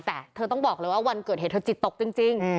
แต่เธอต้องบอกเลยว่าวันเกิดเหตุเธอจิตตกจริง